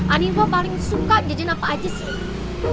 aninfo paling suka jajan apa aja sih